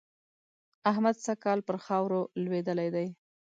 احمد سږ کال پر خاورو لوېدلی دی.